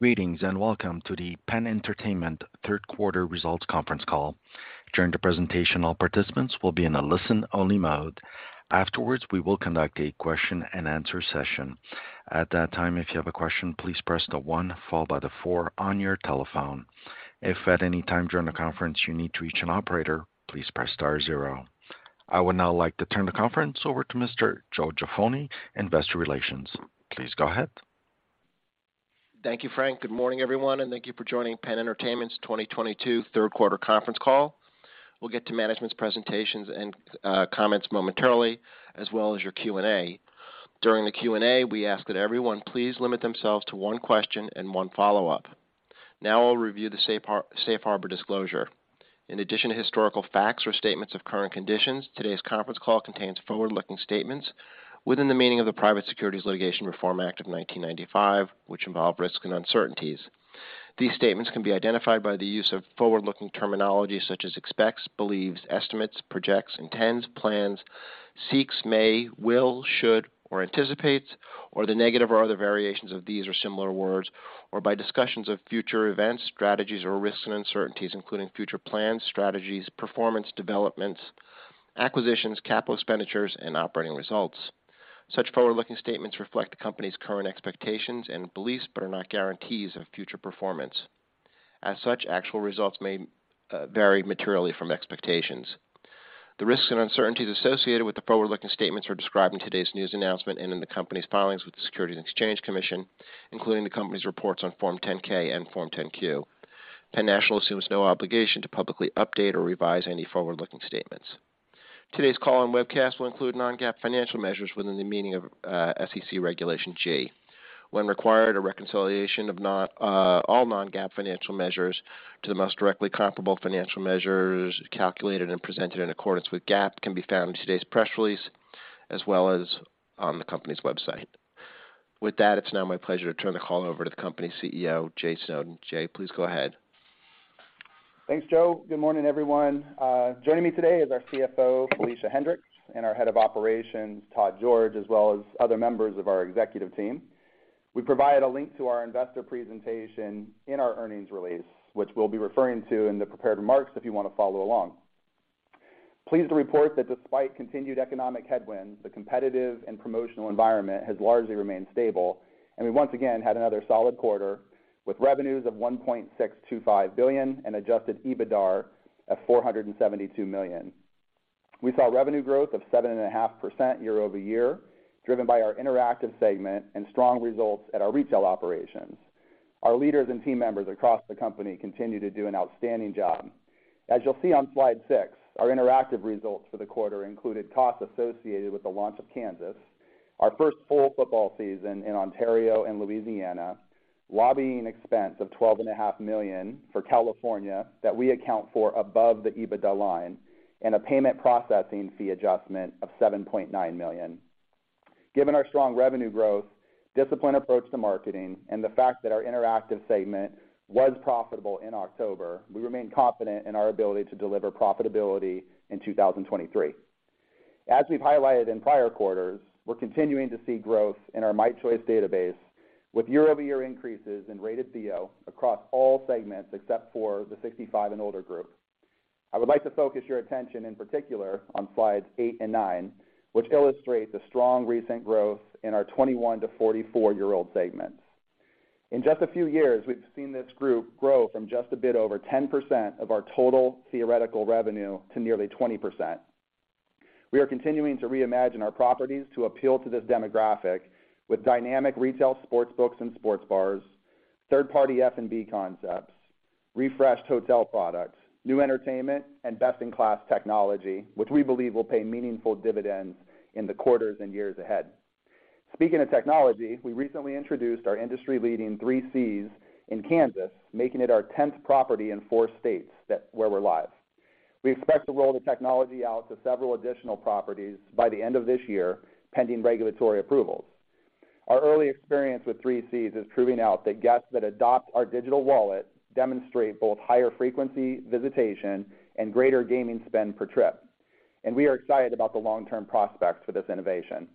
Greetings, and welcome to the PENN Entertainment third quarter results conference call. During the presentation, all participants will be in a listen-only mode. Afterwards, we will conduct a question-and-answer session. At that time, if you have a question, please press the one followed by the four on your telephone. If at any time during the conference you need to reach an operator, please press star zero. I would now like to turn the conference over to Mr. Joseph N. Jaffoni, Investor Relations. Please go ahead. Thank you, Frank. Good morning, everyone, and thank you for joining PENN Entertainment's 2022 third quarter conference call. We'll get to management's presentations and comments momentarily, as well as your Q&A. During the Q&A, we ask that everyone please limit themselves to one question and one follow-up. Now I'll review the safe harbor disclosure. In addition to historical facts or statements of current conditions, today's conference call contains forward-looking statements within the meaning of the Private Securities Litigation Reform Act of 1995, which involve risks and uncertainties. These statements can be identified by the use of forward-looking terminology such as expects, believes, estimates, projects, intends, plans, seeks, may, will, should, or anticipates, or the negative or other variations of these or similar words, or by discussions of future events, strategies, or risks and uncertainties, including future plans, strategies, performance, developments, acquisitions, capital expenditures, and operating results. Such forward-looking statements reflect the company's current expectations and beliefs, but are not guarantees of future performance. As such, actual results may vary materially from expectations. The risks and uncertainties associated with the forward-looking statements are described in today's news announcement and in the company's filings with the Securities and Exchange Commission, including the company's reports on Form 10-K and Form 10-Q. PENN Entertainment assumes no obligation to publicly update or revise any forward-looking statements. Today's call and webcast will include non-GAAP financial measures within the meaning of SEC Regulation G. When required, a reconciliation of all non-GAAP financial measures to the most directly comparable financial measures calculated and presented in accordance with GAAP can be found in today's press release, as well as on the company's website. With that, it's now my pleasure to turn the call over to the company's CEO, Jay Snowden. Jay, please go ahead. Thanks, Joe. Good morning, everyone. Joining me today is our CFO, Felicia Hendrix, and our Head of Operations, Todd George, as well as other members of our executive team. We provide a link to our investor presentation in our earnings release, which we'll be referring to in the prepared remarks if you want to follow along. Pleased to report that despite continued economic headwinds, the competitive and promotional environment has largely remained stable, and we once again had another solid quarter with revenues of $1.625 billion and adjusted EBITDAR of $472 million. We saw revenue growth of 7.5% year-over-year, driven by our interactive segment and strong results at our retail operations. Our leaders and team members across the company continue to do an outstanding job. As you'll see on slide six, our interactive results for the quarter included costs associated with the launch of Kansas, our first full football season in Ontario and Louisiana, lobbying expense of $12.5 million for California that we account for above the EBITDA line, and a payment processing fee adjustment of $7.9 million. Given our strong revenue growth, disciplined approach to marketing, and the fact that our interactive segment was profitable in October, we remain confident in our ability to deliver profitability in 2023. As we've highlighted in prior quarters, we're continuing to see growth in our myChoice database with year-over-year increases in rated CO across all segments except for the 65-and-older group. I would like to focus your attention in particular on slides eight and nine, which illustrate the strong recent growth in our 21- to 44-year-old segments. In just a few years, we've seen this group grow from just a bit over 10% of our total theoretical revenue to nearly 20%. We are continuing to reimagine our properties to appeal to this demographic with dynamic retail sports books and sports bars, third-party F&B concepts, refreshed hotel products, new entertainment, and best-in-class technology, which we believe will pay meaningful dividends in the quarters and years ahead. Speaking of technology, we recently introduced our industry-leading Three C's in Kansas, making it our 10th property in four states where we're live. We expect to roll the technology out to several additional properties by the end of this year, pending regulatory approvals. Our early experience with Three C's is proving out that guests that adopt our digital wallet demonstrate both higher frequency visitation and greater gaming spend per trip, and we are excited about the long-term prospects for this innovation.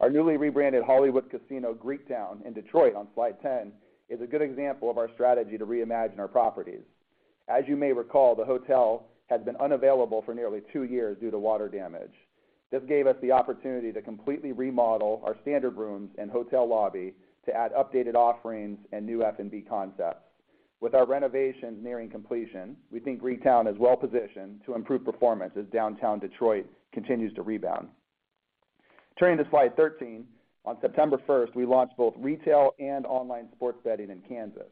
Our newly rebranded Hollywood Casino at Greektown in Detroit on slide 10 is a good example of our strategy to reimagine our properties. As you may recall, the hotel has been unavailable for nearly two years due to water damage. This gave us the opportunity to completely remodel our standard rooms and hotel lobby to add updated offerings and new F&B concepts. With our renovation nearing completion, we think Greektown is well positioned to improve performance as downtown Detroit continues to rebound. Turning to slide 13, on September 1st, we launched both retail and online sports betting in Kansas.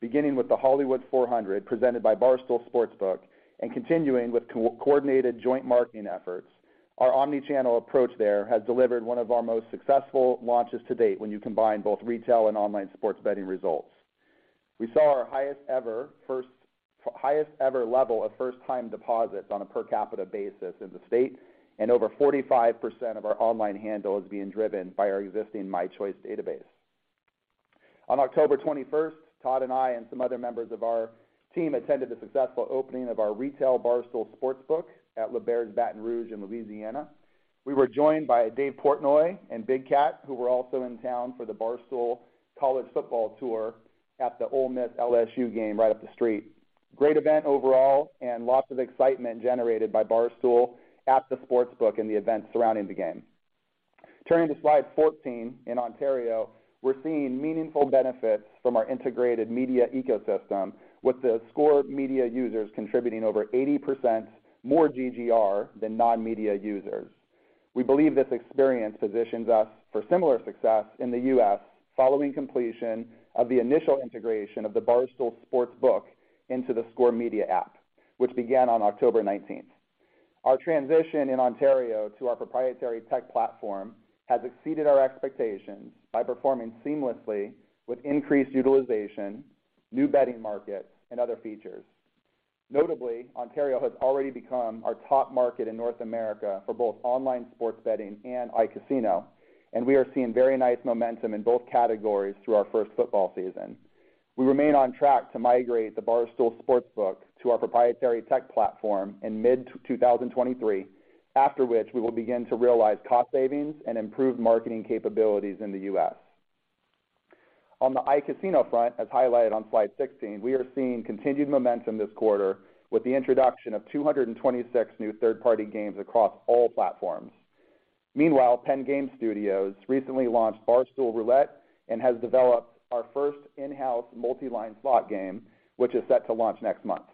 Beginning with the Hollywood Casino 400 presented by Barstool Sportsbook and continuing with coordinated joint marketing efforts, our omni-channel approach there has delivered one of our most successful launches to date when you combine both retail and online sports betting results. We saw our highest ever level of first-time deposits on a per capita basis in the state, and over 45% of our online handle is being driven by our existing myChoice database. On October 21st, Todd and I and some other members of our team attended the successful opening of our retail Barstool Sportsbook at L'Auberge Baton Rouge in Louisiana. We were joined by Dave Portnoy and Big Cat, who were also in town for the Barstool College Football Tour at the Ole Miss LSU game right up the street. Great event overall and lots of excitement generated by Barstool at the sportsbook and the events surrounding the game. Turning to slide 14, in Ontario, we're seeing meaningful benefits from our integrated media ecosystem, with theScore Media users contributing over 80% more GGR than non-media users. We believe this experience positions us for similar success in the U.S. following completion of the initial integration of the Barstool Sportsbook into the theScore Media app, which began on October 19th. Our transition in Ontario to our proprietary tech platform has exceeded our expectations by performing seamlessly with increased utilization, new betting markets, and other features. Notably, Ontario has already become our top market in North America for both online sports betting and iCasino, and we are seeing very nice momentum in both categories through our first football season. We remain on track to migrate the Barstool Sportsbook to our proprietary tech platform in mid-2023, after which we will begin to realize cost savings and improved marketing capabilities in the U.S. On the iCasino front, as highlighted on slide 16, we are seeing continued momentum this quarter with the introduction of 226 new third-party games across all platforms. Meanwhile, PENN Game Studios recently launched Barstool Roulette and has developed our first in-house multi-line slot game, which is set to launch next month.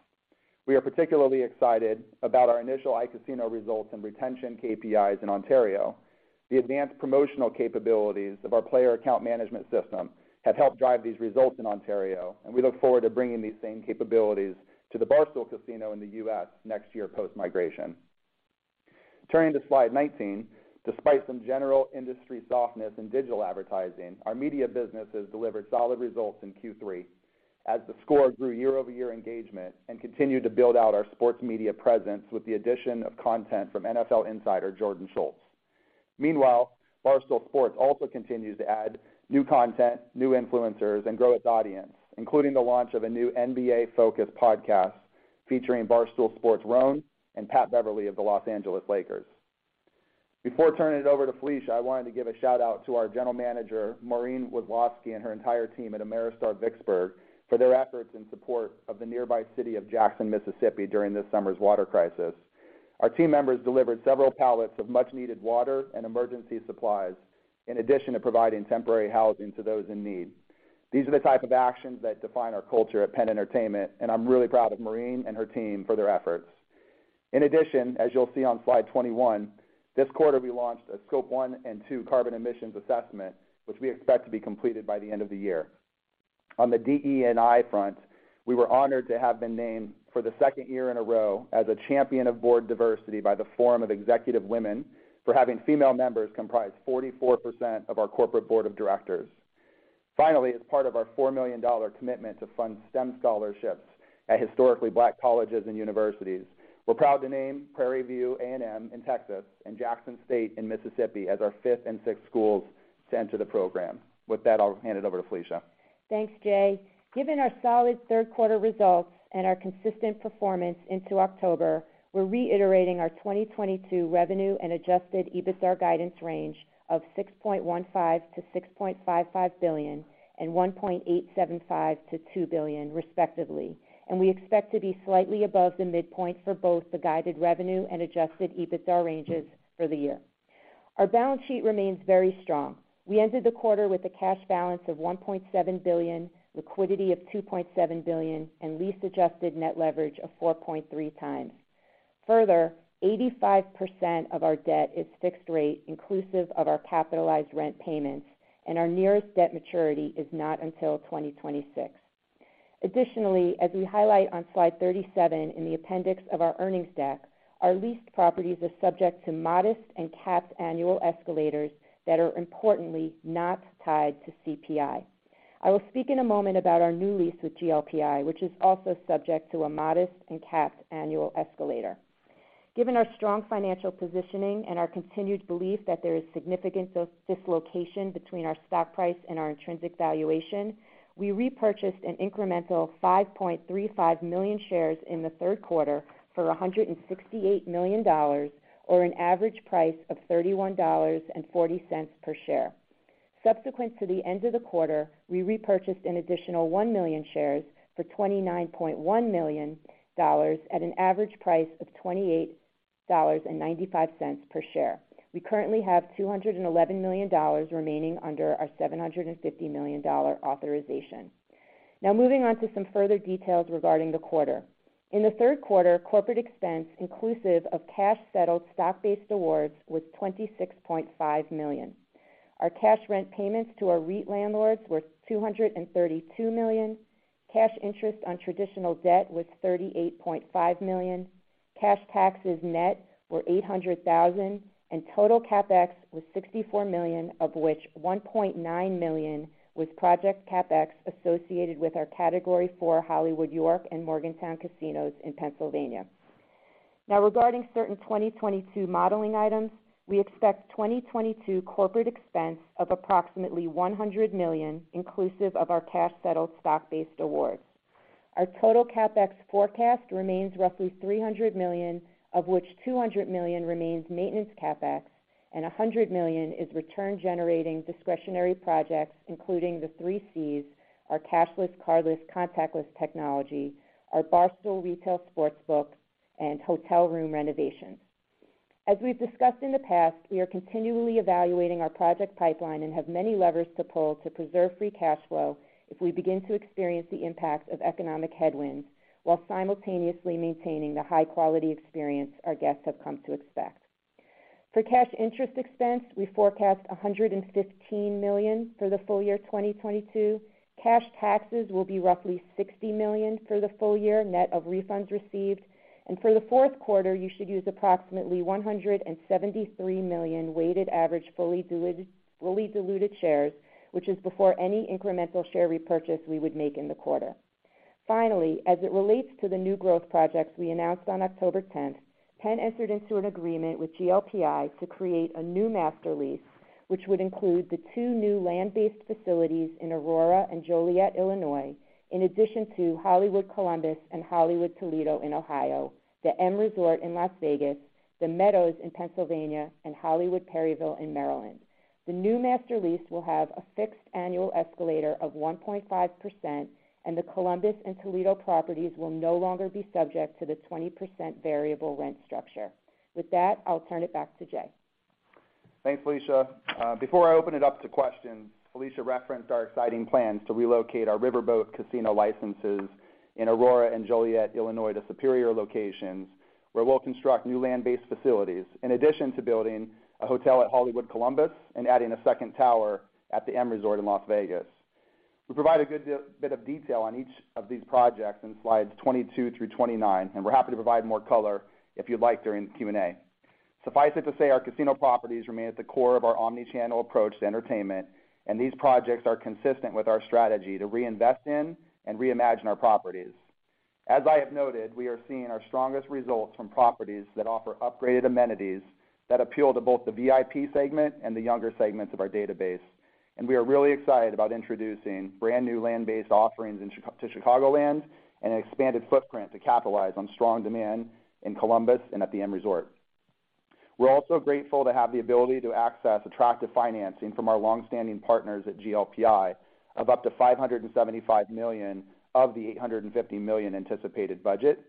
We are particularly excited about our initial iCasino results and retention KPIs in Ontario. The advanced promotional capabilities of our player account management system have helped drive these results in Ontario, and we look forward to bringing these same capabilities to the Barstool Casino in the U.S. next year post-migration. Turning to slide 19, despite some general industry softness in digital advertising, our media business has delivered solid results in Q3 as theScore grew year-over-year engagement and continued to build out our sports media presence with the addition of content from NFL Insider Jordan Schultz. Meanwhile, Barstool Sports also continues to add new content, new influencers, and grow its audience, including the launch of a new NBA-focused podcast featuring Barstool Sports' Rone and Pat Beverley of the Los Angeles Lakers. Before turning it over to Felicia, I wanted to give a shout-out to our general manager, Maureen Wislofsky, and her entire team at Ameristar Vicksburg for their efforts in support of the nearby city of Jackson, Mississippi, during this summer's water crisis. Our team members delivered several pallets of much-needed water and emergency supplies in addition to providing temporary housing to those in need. These are the type of actions that define our culture at PENN Entertainment, and I'm really proud of Maureen and her team for their efforts. In addition, as you'll see on slide 21, this quarter we launched a Scope 1 and 2 carbon emissions assessment, which we expect to be completed by the end of the year. On the DE&I front, we were honored to have been named for the second year in a row as a Champion of Board Diversity by the Forum of Executive Women for having female members comprise 44% of our corporate board of directors. Finally, as part of our $4 million commitment to fund STEM scholarships at Historically Black Colleges and Universities, we're proud to name Prairie View A&M in Texas and Jackson State in Mississippi as our fifth and sixth schools to enter the program. With that, I'll hand it over to Felicia. Thanks, Jay. Given our solid third quarter results and our consistent performance into October, we're reiterating our 2022 revenue and adjusted EBITDA guidance range of $6.15 billion-$6.55 billion and $1.875 billion-$2 billion respectively, and we expect to be slightly above the midpoint for both the guided revenue and adjusted EBITDA ranges for the year. Our balance sheet remains very strong. We ended the quarter with a cash balance of $1.7 billion, liquidity of $2.7 billion, and lease-adjusted net leverage of 4.3 times. Further, 85% of our debt is fixed rate inclusive of our capitalized rent payments, and our nearest debt maturity is not until 2026. Additionally, as we highlight on slide 37 in the appendix of our earnings deck, our leased properties are subject to modest and capped annual escalators that are importantly not tied to CPI. I will speak in a moment about our new lease with GLPI, which is also subject to a modest and capped annual escalator. Given our strong financial positioning and our continued belief that there is significant dislocation between our stock price and our intrinsic valuation, we repurchased an incremental 5.35 million shares in the third quarter for $168 million or an average price of $31.40 per share. Subsequent to the end of the quarter, we repurchased an additional 1 million shares for $29.1 million at an average price of $28.95 per share. We currently have $211 million remaining under our $750 million authorization. Now moving on to some further details regarding the quarter. In the third quarter, corporate expense inclusive of cash-settled stock-based awards was $26.5 million. Our cash rent payments to our REIT landlords were $232 million. Cash interest on traditional debt was $38.5 million. Cash taxes net were $800,000, and total CapEx was $64 million, of which $1.9 million was project CapEx associated with our Category 4 Hollywood Casino York and Hollywood Casino Morgantown casinos in Pennsylvania. Now regarding certain 2022 modeling items, we expect 2022 corporate expense of approximately $100 million, inclusive of our cash-settled stock-based awards. Our total CapEx forecast remains roughly $300 million of which $200 million remains maintenance CapEx. $100 million is return-generating discretionary projects, including the Three Cs, our cashless, cardless, contactless technology, our Barstool Retail Sportsbook, and hotel room renovations. As we've discussed in the past, we are continually evaluating our project pipeline and have many levers to pull to preserve free cash flow if we begin to experience the impact of economic headwinds while simultaneously maintaining the high-quality experience our guests have come to expect. For cash interest expense, we forecast $115 million for the full year 2022. Cash taxes will be roughly $60 million for the full year net of refunds received. For the fourth quarter, you should use approximately 173 million weighted average fully diluted shares, which is before any incremental share repurchase we would make in the quarter. Finally, as it relates to the new growth projects we announced on October 10th, PENN entered into an agreement with GLPI to create a new master lease, which would include the two new land-based facilities in Aurora and Joliet, Illinois, in addition to Hollywood Casino Columbus and Hollywood Casino Toledo in Ohio, the M Resort Spa Casino in Las Vegas, Hollywood Casino at The Meadows in Pennsylvania, and Hollywood Casino Perryville in Maryland. The new master lease will have a fixed annual escalator of 1.5%, and the Columbus and Toledo properties will no longer be subject to the 20% variable rent structure. With that, I'll turn it back to Jay. Thanks, Felicia. Before I open it up to questions, Felicia referenced our exciting plans to relocate our riverboat casino licenses in Aurora and Joliet, Illinois, to superior locations, where we'll construct new land-based facilities, in addition to building a hotel at Hollywood Casino Columbus and adding a second tower at the M Resort in Las Vegas. We provide a good deal of detail on each of these projects in slides 22 through 29, and we're happy to provide more color if you'd like during the Q&A. Suffice it to say, our casino properties remain at the core of our omni-channel approach to entertainment, and these projects are consistent with our strategy to reinvest in and reimagine our properties. As I have noted, we are seeing our strongest results from properties that offer upgraded amenities that appeal to both the VIP segment and the younger segments of our database. We are really excited about introducing brand-new land-based offerings in Chicagoland and an expanded footprint to capitalize on strong demand in Columbus and at the M Resort. We're also grateful to have the ability to access attractive financing from our long-standing partners at GLPI of up to $575 million of the $850 million anticipated budget.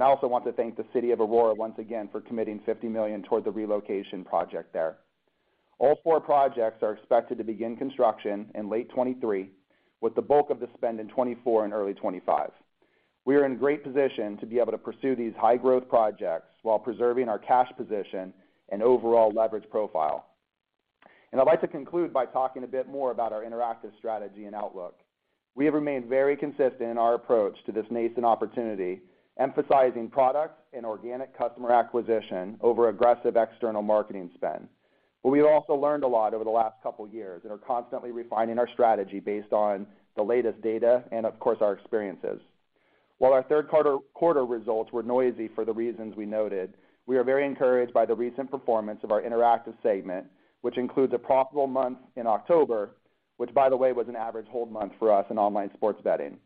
I also want to thank the City of Aurora once again for committing $50 million toward the relocation project there. All four projects are expected to begin construction in late 2023, with the bulk of the spend in 2024 and early 2025. We are in great position to be able to pursue these high-growth projects while preserving our cash position and overall leverage profile. I'd like to conclude by talking a bit more about our interactive strategy and outlook. We have remained very consistent in our approach to this nascent opportunity, emphasizing product and organic customer acquisition over aggressive external marketing spend. We've also learned a lot over the last couple years and are constantly refining our strategy based on the latest data and, of course, our experiences. While our third quarter results were noisy for the reasons we noted, we are very encouraged by the recent performance of our interactive segment, which includes a profitable month in October, which by the way, was an average hold month for us in online sports betting.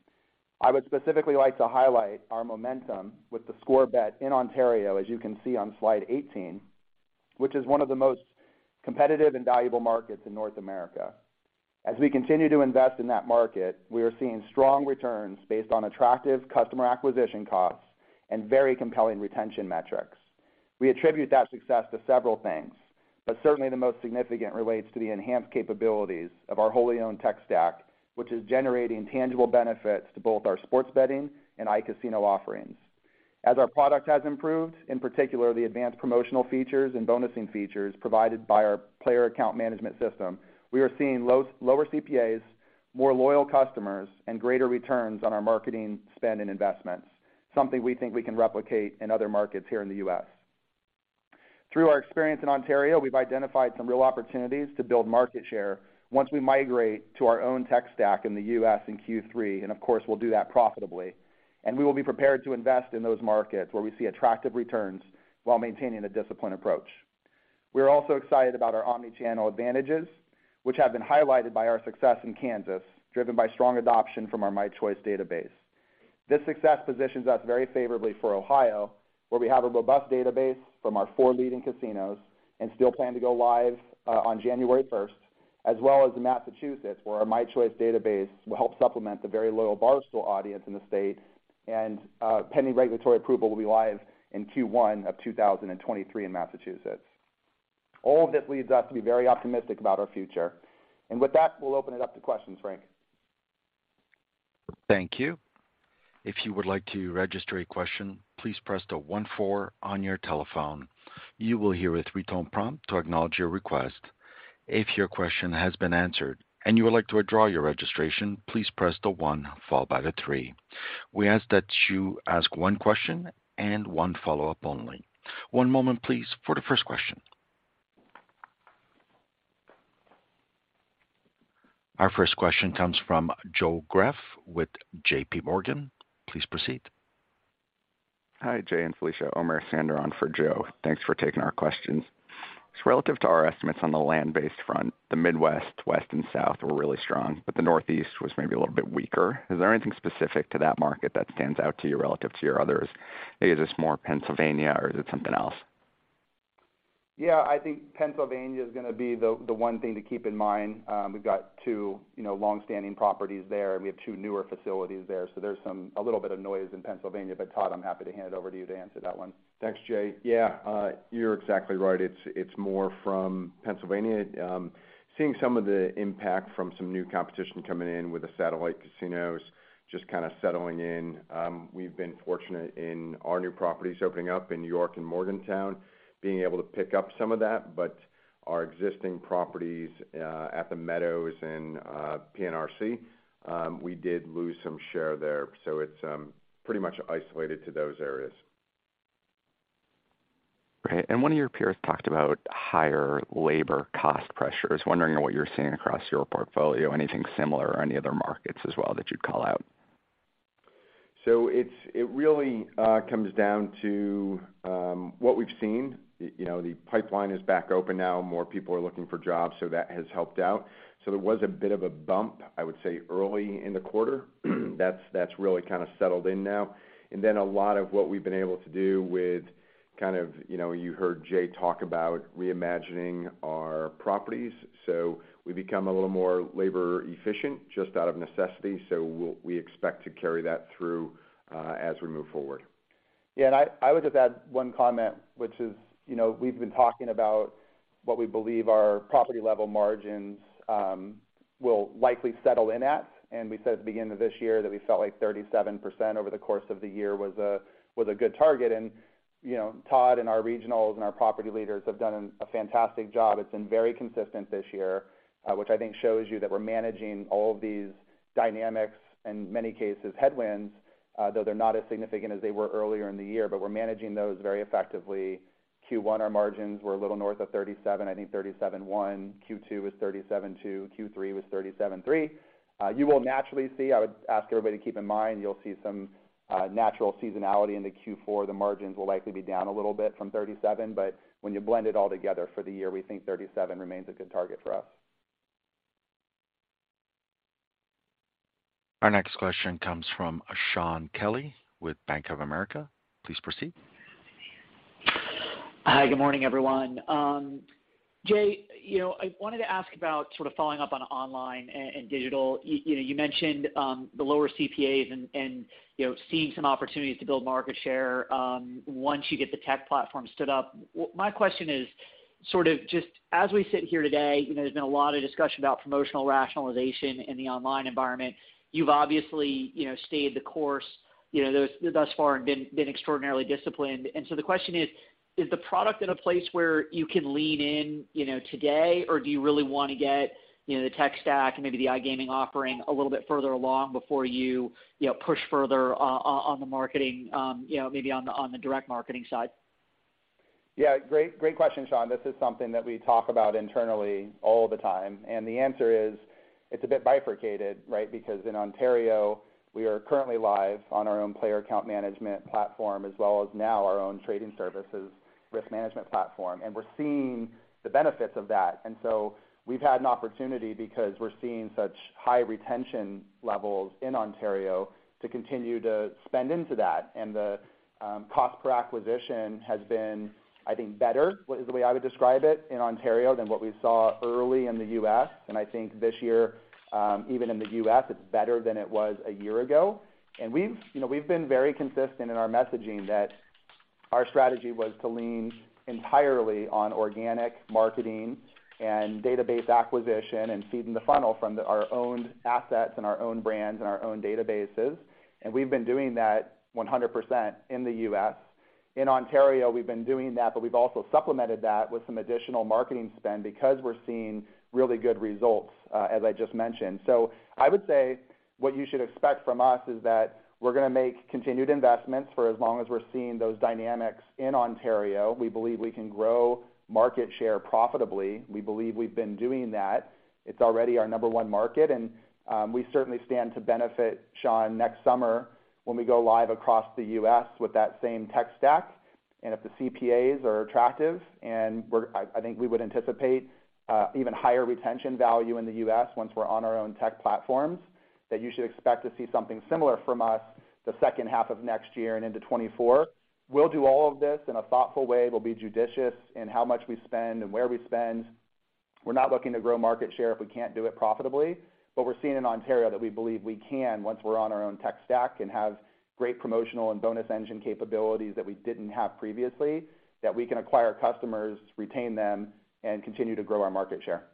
I would specifically like to highlight our momentum with theScore Bet in Ontario, as you can see on slide 18, which is one of the most competitive and valuable markets in North America. As we continue to invest in that market, we are seeing strong returns based on attractive customer acquisition costs and very compelling retention metrics. We attribute that success to several things, but certainly the most significant relates to the enhanced capabilities of our wholly owned tech stack, which is generating tangible benefits to both our sports betting and iCasino offerings. As our product has improved, in particular the advanced promotional features and bonusing features provided by our player account management system, we are seeing lower CPAs, more loyal customers, and greater returns on our marketing spend and investments, something we think we can replicate in other markets here in the U.S. Through our experience in Ontario, we've identified some real opportunities to build market share once we migrate to our own tech stack in the U.S. in Q3, and of course, we'll do that profitably. We will be prepared to invest in those markets where we see attractive returns while maintaining a disciplined approach. We're also excited about our omni-channel advantages, which have been highlighted by our success in Kansas, driven by strong adoption from our myChoice database. This success positions us very favorably for Ohio, where we have a robust database from our four leading casinos and still plan to go live on January first, as well as in Massachusetts, where our myChoice database will help supplement the very loyal Barstool audience in the state and, pending regulatory approval will be live in Q1 of 2023 in Massachusetts. All of this leads us to be very optimistic about our future. With that, we'll open it up to questions, Frank. Thank you. If you would like to register a question, please press the one four on your telephone. You will hear a three-tone prompt to acknowledge your request. If your question has been answered and you would like to withdraw your registration, please press the one followed by the three. We ask that you ask one question and one follow-up only. One moment, please, for the first question. Our first question comes from Joe Greff with J.P. Morgan. Please proceed. Hi, Jay and Felicia. Omer Sandha on for Joe. Thanks for taking our questions. Relative to our estimates on the land-based front, the Midwest, West, and South were really strong, but the Northeast was maybe a little bit weaker. Is there anything specific to that market that stands out to you relative to your others? Maybe this is more Pennsylvania or is it something else? Yeah, I think Pennsylvania is gonna be the one thing to keep in mind. We've got two, you know, long-standing properties there, and we have two newer facilities there. There's a little bit of noise in Pennsylvania. Todd, I'm happy to hand it over to you to answer that one. Thanks, Jay. Yeah, you're exactly right. It's more from Pennsylvania. Seeing some of the impact from some new competition coming in with the satellite casinos just kinda settling in. We've been fortunate in our new properties opening up in York and Morgantown being able to pick up some of that. But our existing properties at the Meadows and PNRC, we did lose some share there, so it's pretty much isolated to those areas. Right. One of your peers talked about higher labor cost pressures. Wondering what you're seeing across your portfolio, anything similar or any other markets as well that you'd call out? It really comes down to what we've seen. You know, the pipeline is back open now, more people are looking for jobs, so that has helped out. There was a bit of a bump, I would say, early in the quarter. That's really kind of settled in now. Then a lot of what we've been able to do with kind of, you know, you heard Jay talk about reimagining our properties. We've become a little more labor efficient just out of necessity, so we expect to carry that through as we move forward. Yeah. I would just add one comment, which is, you know, we've been talking about what we believe our property-level margins will likely settle in at. We said at the beginning of this year that we felt like 37% over the course of the year was a good target. You know, Todd and our regionals and our property leaders have done a fantastic job. It's been very consistent this year, which I think shows you that we're managing all of these dynamics, in many cases, headwinds, though they're not as significant as they were earlier in the year, but we're managing those very effectively. Q1, our margins were a little north of 37%, I think 37.1%. Q2 was 37.2%. Q3 was 37.3%. You will naturally see, I would ask everybody to keep in mind, you'll see some natural seasonality into Q4. The margins will likely be down a little bit from 37%, but when you blend it all together for the year, we think 37% remains a good target for us. Our next question comes from Shaun Kelley with Bank of America. Please proceed. Hi, good morning, everyone. Jay, you know, I wanted to ask about sort of following up on online and digital. You know, you mentioned the lower CPAs and you know, seeing some opportunities to build market share once you get the tech platform stood up. My question is sort of just as we sit here today, you know, there's been a lot of discussion about promotional rationalization in the online environment. You've obviously, you know, stayed the course, you know, thus far and been extraordinarily disciplined. The question is the product in a place where you can lean in, you know, today, or do you really wanna get, you know, the tech stack and maybe the iGaming offering a little bit further along before you know, push further on the marketing, you know, maybe on the direct marketing side? Yeah. Great question, Shaun. This is something that we talk about internally all the time. The answer is, it's a bit bifurcated, right? Because in Ontario, we are currently live on our own player account management platform, as well as now our own trading services risk management platform. We're seeing the benefits of that. We've had an opportunity because we're seeing such high retention levels in Ontario to continue to spend into that. The cost per acquisition has been, I think, better, is the way I would describe it, in Ontario than what we saw early in the U.S. I think this year, even in the U.S., it's better than it was a year ago. We've, you know, we've been very consistent in our messaging that our strategy was to lean entirely on organic marketing and database acquisition and feeding the funnel from our own assets and our own brands and our own databases. We've been doing that 100% in the U.S. In Ontario, we've been doing that, but we've also supplemented that with some additional marketing spend because we're seeing really good results, as I just mentioned. I would say what you should expect from us is that we're gonna make continued investments for as long as we're seeing those dynamics in Ontario. We believe we can grow market share profitably. We believe we've been doing that. It's already our number one market, and, we certainly stand to benefit, Shaun, next summer when we go live across the U.S. with that same tech stack. If the CPAs are attractive, I think we would anticipate even higher retention value in the U.S. once we're on our own tech platforms, that you should expect to see something similar from us the second half of next year and into 2024. We'll do all of this in a thoughtful way. We'll be judicious in how much we spend and where we spend. We're not looking to grow market share if we can't do it profitably. We're seeing in Ontario that we believe we can once we're on our own tech stack and have great promotional and bonus engine capabilities that we didn't have previously, that we can acquire customers, retain them, and continue to grow our market share.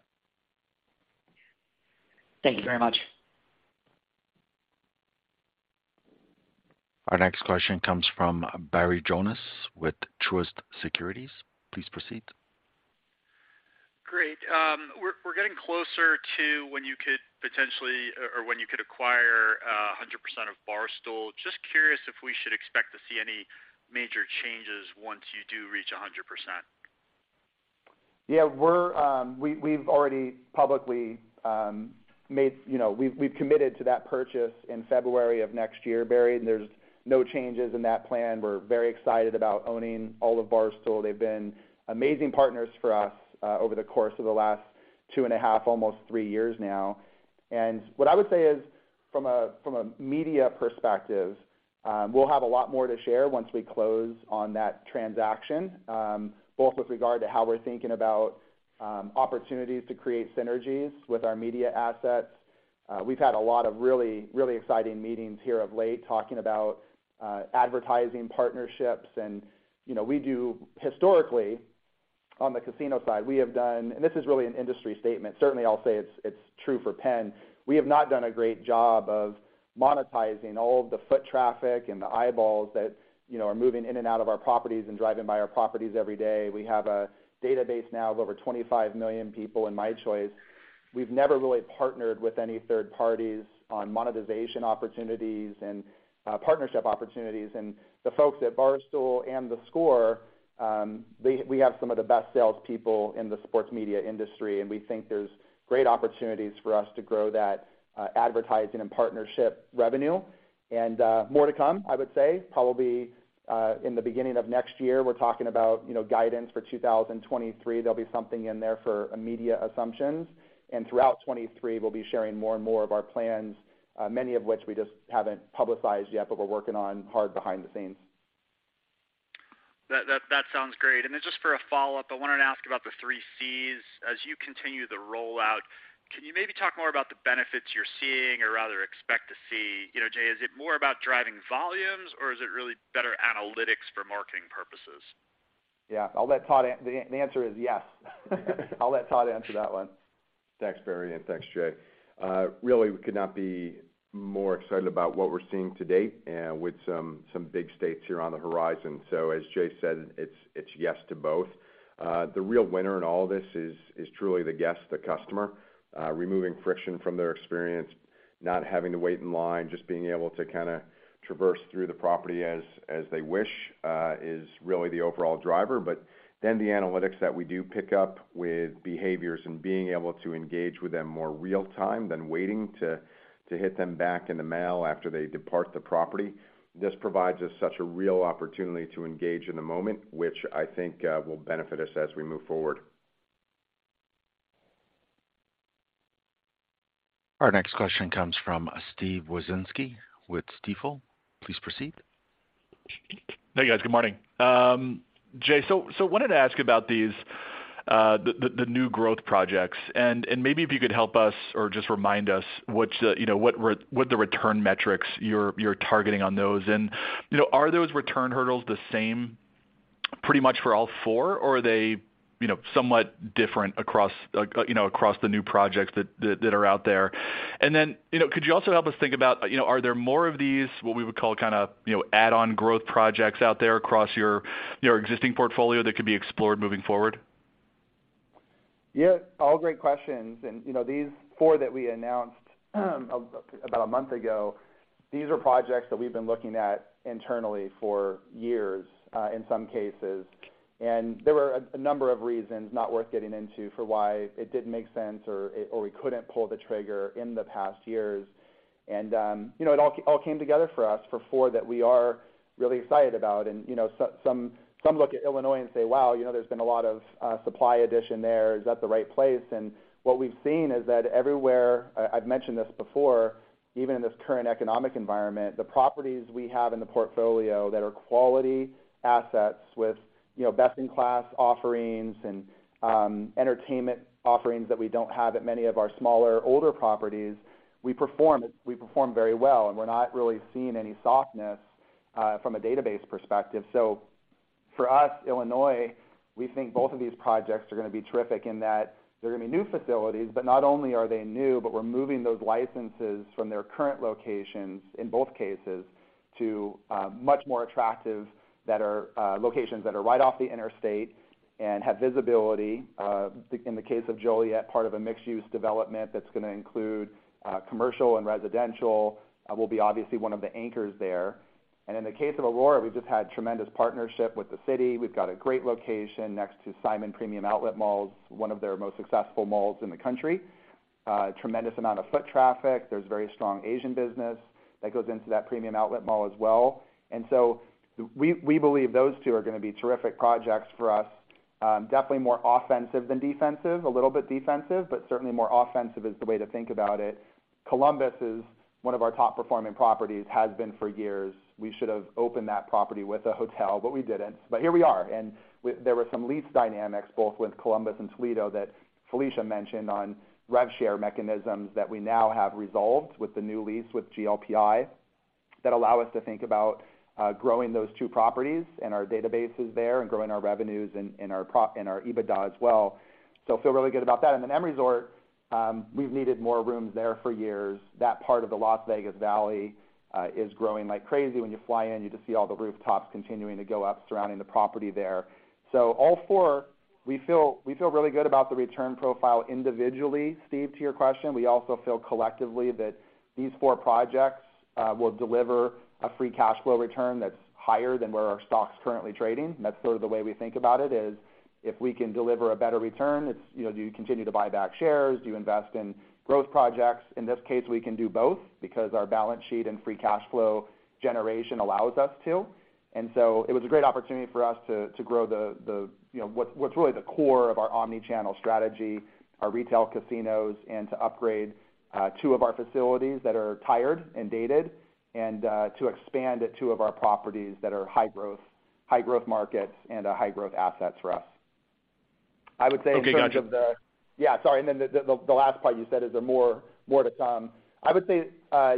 Thank you very much. Our next question comes from Barry Jonas with Truist Securities. Please proceed. Great. We're getting closer to when you could potentially acquire 100% of Barstool. Just curious if we should expect to see any major changes once you do reach 100%. Yeah. We've already publicly committed to that purchase in February of next year, Barry. There's no changes in that plan. We're very excited about owning all of Barstool. They've been amazing partners for us over the course of the last two and a half, almost three years now. What I would say is, from a media perspective, we'll have a lot more to share once we close on that transaction both with regard to how we're thinking about opportunities to create synergies with our media assets. We've had a lot of really exciting meetings here of late talking about advertising partnerships. You know, we do historically on the casino side, we have done, and this is really an industry statement. Certainly I'll say it's true for PENN. We have not done a great job of monetizing all of the foot traffic and the eyeballs that, you know, are moving in and out of our properties and driving by our properties every day. We have a database now of over 25 million people in myChoice. We've never really partnered with any third parties on monetization opportunities and partnership opportunities. The folks at Barstool and theScore, we have some of the best salespeople in the sports media industry, and we think there's great opportunities for us to grow that advertising and partnership revenue. More to come, I would say probably in the beginning of next year. We're talking about, you know, guidance for 2023. There'll be something in there for media assumptions. Throughout 2023, we'll be sharing more and more of our plans, many of which we just haven't publicized yet, but we're working on hard behind the scenes. That sounds great. Just for a follow-up, I wanted to ask about the Three Cs. As you continue the rollout, can you maybe talk more about the benefits you're seeing or rather expect to see? You know, Jay, is it more about driving volumes or is it really better analytics for marketing purposes? Yeah, the answer is yes. I'll let Todd George answer that one. Thanks, Barry, and thanks, Jay. Really we could not be more excited about what we're seeing to date and with some big states here on the horizon. As Jay said, it's yes to both. The real winner in all of this is truly the guest, the customer, removing friction from their experience, not having to wait in line, just being able to kinda traverse through the property as they wish, is really the overall driver. Then the analytics that we do pick up with behaviors and being able to engage with them more real time than waiting to hit them back in the mail after they depart the property. This provides us such a real opportunity to engage in the moment, which I think will benefit us as we move forward. Our next question comes from Steven Wieczynski with Stifel. Please proceed. Hey, guys. Good morning. Jay, so wanted to ask about these, the new growth projects, and maybe if you could help us or just remind us what the return metrics you're targeting on those. You know, are those return hurdles the same pretty much for all four, or are they somewhat different across, you know, across the new projects that are out there? Then, you know, could you also help us think about, you know, are there more of these, what we would call kinda add-on growth projects out there across your existing portfolio that could be explored moving forward? Yeah, all great questions. You know, these four that we announced about a month ago, these are projects that we've been looking at internally for years in some cases. There were a number of reasons not worth getting into for why it didn't make sense or we couldn't pull the trigger in the past years. You know, it all came together for us for four that we are really excited about. You know, some look at Illinois and say, "Wow, you know, there's been a lot of supply addition there. Is that the right place?" What we've seen is that everywhere, I've mentioned this before, even in this current economic environment, the properties we have in the portfolio that are quality assets with, you know, best-in-class offerings and entertainment offerings that we don't have at many of our smaller, older properties, we perform very well, and we're not really seeing any softness from a database perspective. For us, Illinois, we think both of these projects are gonna be terrific in that they're gonna be new facilities, but not only are they new, but we're moving those licenses from their current locations, in both cases, to much more attractive locations that are right off the interstate and have visibility. In the case of Joliet, part of a mixed-use development that's gonna include commercial and residential, we'll be obviously one of the anchors there. In the case of Aurora, we've just had tremendous partnership with the city. We've got a great location next to Simon Premium Outlets, one of their most successful malls in the country. Tremendous amount of foot traffic. There's very strong Asian business that goes into that premium outlet mall as well. We believe those two are gonna be terrific projects for us. Definitely more offensive than defensive, a little bit defensive, but certainly more offensive is the way to think about it. Columbus is one of our top-performing properties, has been for years. We should have opened that property with a hotel, but we didn't. Here we are, and there were some lease dynamics both with Columbus and Toledo that Felicia mentioned on rev share mechanisms that we now have resolved with the new lease with GLPI that allow us to think about growing those two properties and our databases there and growing our revenues and our EBITDA as well. Feel really good about that. M Resort, we've needed more rooms there for years. That part of the Las Vegas Valley is growing like crazy. When you fly in, you just see all the rooftops continuing to go up surrounding the property there. All four, we feel really good about the return profile individually, Steve, to your question. We also feel collectively that these four projects will deliver a free cash flow return that's higher than where our stock's currently trading. That's sort of the way we think about it, is if we can deliver a better return, it's, you know, do you continue to buy back shares? Do you invest in growth projects? In this case, we can do both because our balance sheet and free cash flow generation allows us to. It was a great opportunity for us to grow the, you know, what's really the core of our omni-channel strategy, our retail casinos, and to upgrade two of our facilities that are tired and dated and to expand at two of our properties that are high growth markets and high growth assets for us. I would say in terms of the. Okay, gotcha. Yeah, sorry. Then the last part you said, is there more to come? I would say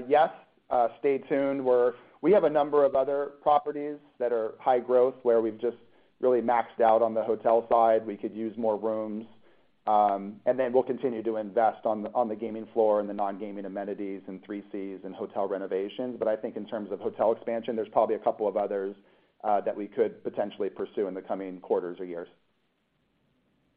yes, stay tuned. We have a number of other properties that are high growth where we've just really maxed out on the hotel side. We could use more rooms. Then we'll continue to invest on the gaming floor and the non-gaming amenities and Three Cs and hotel renovations. I think in terms of hotel expansion, there's probably a couple of others that we could potentially pursue in the coming quarters or years.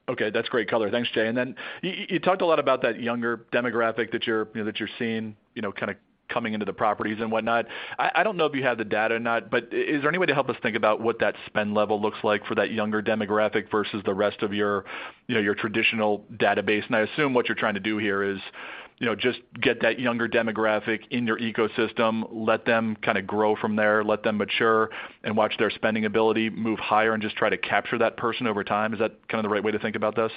Okay, that's great color. Thanks, Jay. Then you talked a lot about that younger demographic that you're, you know, that you're seeing, you know, kinda coming into the properties and whatnot. I don't know if you have the data or not, but is there any way to help us think about what that spend level looks like for that younger demographic versus the rest of your, you know, your traditional database? I assume what you're trying to do here is, you know, just get that younger demographic in your ecosystem, let them kinda grow from there, let them mature, and watch their spending ability move higher and just try to capture that person over time. Is that kinda the right way to think about this?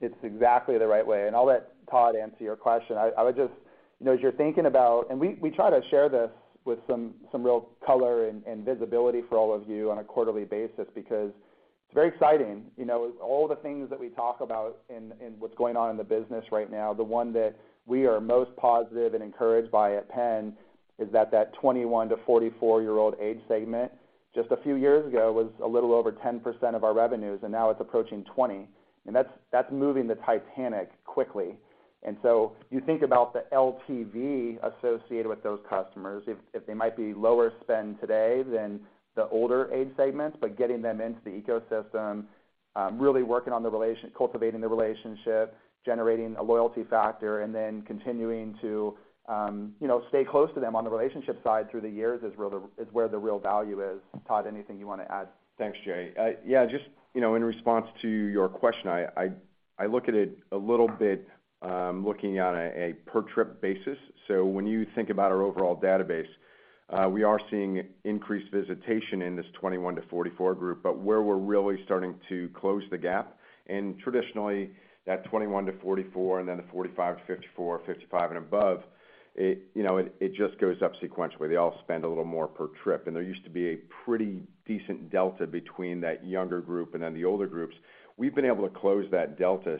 It's exactly the right way. I'll let Todd answer your question. I would just you know as you're thinking about we try to share this with some real color and visibility for all of you on a quarterly basis because it's very exciting. You know all the things that we talk about in what's going on in the business right now the one that we are most positive and encouraged by at PENN is that 21- to 44-year-old age segment just a few years ago was a little over 10% of our revenues and now it's approaching 20%. That's moving the Titanic quickly. You think about the LTV associated with those customers if they might be lower spend today than the older age segments, but getting them into the ecosystem, really working on cultivating the relationship, generating a loyalty factor, and then continuing to, you know, stay close to them on the relationship side through the years is where the real value is. Todd, anything you wanna add? Thanks, Jay. Yeah, just, you know, in response to your question, I look at it a little bit, looking at a per trip basis. When you think about our overall database, we are seeing increased visitation in this 21-44 group, but where we're really starting to close the gap, and traditionally that 21-44 and then the 45-54, 55 and above, it, you know, just goes up sequentially. They all spend a little more per trip. There used to be a pretty decent delta between that younger group and then the older groups. We've been able to close that delta.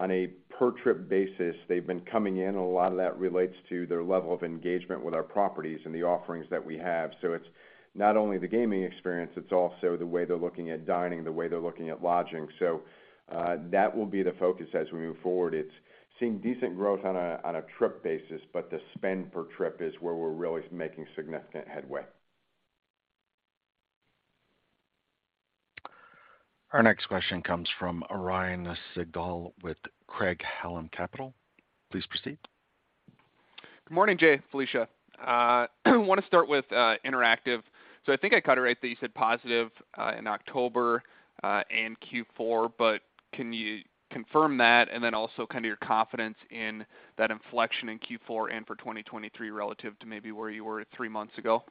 On a per trip basis, they've been coming in. A lot of that relates to their level of engagement with our properties and the offerings that we have. It's not only the gaming experience, it's also the way they're looking at dining, the way they're looking at lodging. That will be the focus as we move forward. It's seeing decent growth on a trip basis, but the spend per trip is where we're really making significant headway. Our next question comes from Ryan Sigdahl with Craig-Hallum Capital Group. Please proceed. Good morning, Jay, Felicia. Want to start with interactive. I think I got it right that you said positive in October and Q4, but can you confirm that and then also kind of your confidence in that inflection in Q4 and for 2023 relative to maybe where you were three months ago?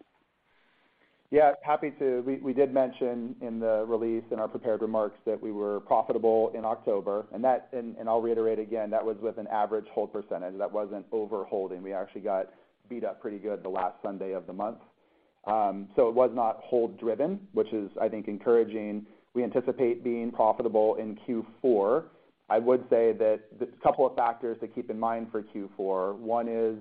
Yeah, happy to. We did mention in the release, in our prepared remarks that we were profitable in October, and that I'll reiterate again, that was with an average hold percentage. That wasn't over-holding. We actually got beat up pretty good the last Sunday of the month. So it was not hold-driven, which is, I think, encouraging. We anticipate being profitable in Q4. I would say that the couple of factors to keep in mind for Q4, one is,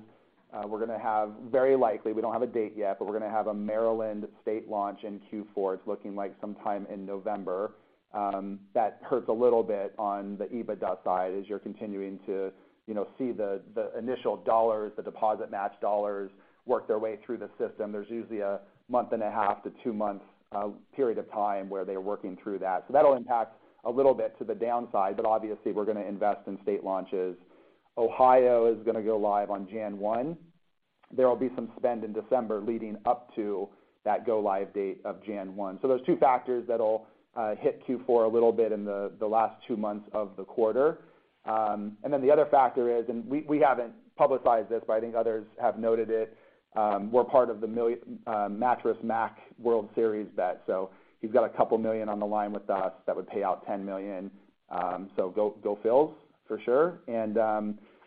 we're gonna have, very likely, we don't have a date yet, but we're gonna have a Maryland state launch in Q4. It's looking like sometime in November. That hurts a little bit on the EBITDA side as you're continuing to, you know, see the initial dollars, the deposit match dollars work their way through the system. There's usually a month and a half to two months period of time where they're working through that. That'll impact a little bit to the downside, but obviously, we're gonna invest in state launches. Ohio is gonna go live on January 1. There will be some spend in December leading up to that go live date of January 1. Those two factors that'll hit Q4 a little bit in the last two months of the quarter. Then the other factor is, and we haven't publicized this, but I think others have noted it, we're part of the Mattress Mack World Series bet. He's got $2 million on the line with us that would pay out $10 million. Go Phils, for sure.